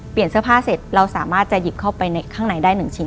เปลี่ยนเสื้อผ้าเสร็จเราสามารถจะหยิบเข้าไปในข้างในได้หนึ่งชิ้น